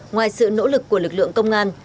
ngoài sự nỗ lực của lực lượng công an